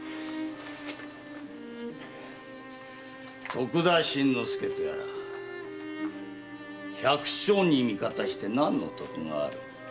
徳田新之助とやら百姓に味方して何の得がある？